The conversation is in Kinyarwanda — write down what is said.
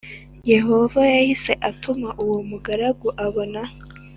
Yehova yahise atuma uwo mugaragu abona